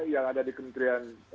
yang ada di kementerian